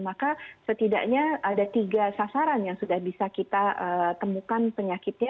maka setidaknya ada tiga sasaran yang sudah bisa kita temukan penyakitnya